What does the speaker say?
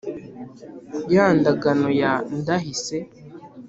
ya ndagano ya ndahise,